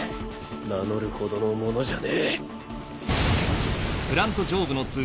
名乗るほどの者じゃねえ。